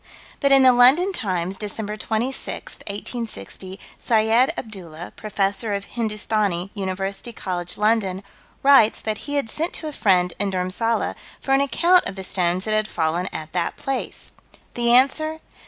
But in the London Times, Dec. 26, 1860, Syed Abdoolah, Professor of Hindustani, University College, London, writes that he had sent to a friend in Dhurmsalla, for an account of the stones that had fallen at that place. The answer